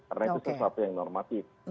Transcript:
karena itu sesuatu yang normatif